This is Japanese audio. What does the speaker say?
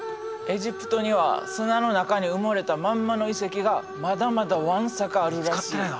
エジプトには砂の中に埋もれたまんまの遺跡がまだまだわんさかあるらしい。